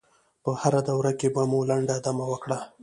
په هره دوره کې به مو لنډه دمه وکړه.